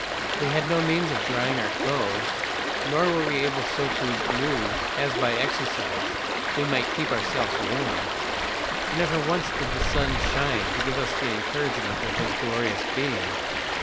We had no means of drying our clothes, nor were we able so to move as by exercise we might keep ourselves warm. Never once did the sun shine to give us the encouragement of his glorious beam.